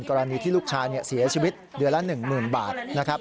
กรณีที่ลูกชายเสียชีวิตเดือนละ๑๐๐๐บาทนะครับ